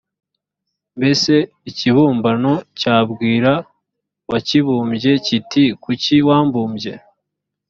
mbese ikibumbano cyabwira uwakibumbye kiti kuki wambumbye